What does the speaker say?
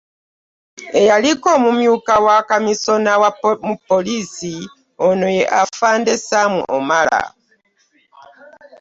Eyaliko omumyuka wa Kamisona mu poliisi, Ono ye Afande Sam Omala.